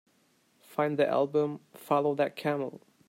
Find the album Follow That Camel